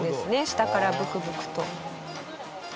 下からブクブクと。